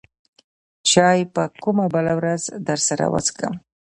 چاى به کومه بله ورځ درسره وڅکم.